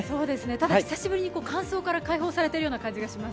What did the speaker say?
ただ久しぶりに乾燥から解放されているような気がします。